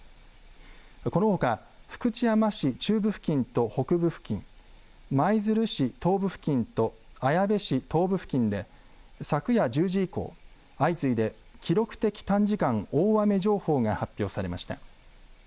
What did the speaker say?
このほか福知山市中部付近と北部付近、舞鶴市東部付近と綾部市東部付近で昨夜１０時以降、相次いで記録的短時間大雨情報が発表されました。